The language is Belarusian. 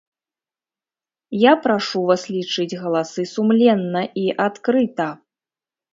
Я прашу вас лічыць галасы сумленна і адкрыта.